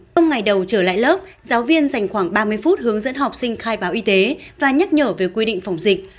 trong ngày đầu trở lại lớp giáo viên dành khoảng ba mươi phút hướng dẫn học sinh khai báo y tế và nhắc nhở về quy định phòng dịch